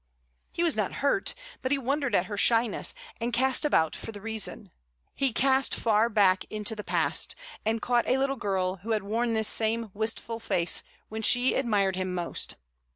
He was not hurt, but he wondered at her shyness, and cast about for the reason. He cast far back into the past, and caught a little girl who had worn this same wistful face when she admired him most.